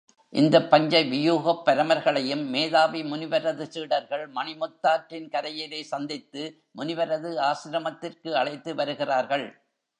இந்தப் பஞ்ச வியூகப் பரமர்களையும் மேதாவி முனிவரது சீடர்கள் மணிமுத்தாற்றின் கரையிலே சந்தித்து முனிவரது ஆசிரமத்திற்கு அழைத்து வருகிறார்கள்.